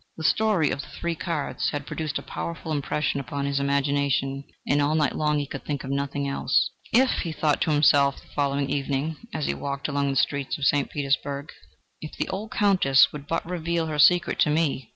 The story of the three cards had produced a powerful impression upon his imagination, and all night long he could think of nothing else. "If," he thought to himself the following evening, as he walked along the streets of St. Petersburg, "if the old Countess would but reveal her secret to me!